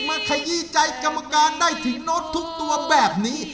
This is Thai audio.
ขยี้ใจกรรมการได้ถึงโน้ตทุกตัวแบบนี้